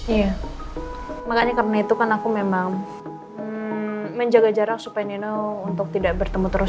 iya makanya karena itu kan aku memang menjaga jarak supaya neno untuk tidak bertemu terus